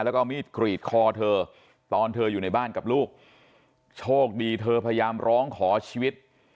แล้วก็มีดกรีดคอเธอตอนเธออยู่ในบ้านกับลูกโชคดีเธอพยายามร้องขอชีวิต